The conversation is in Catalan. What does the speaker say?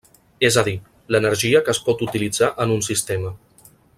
És a dir, l'energia que es pot utilitzar en un sistema.